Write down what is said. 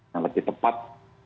yang lebih tepat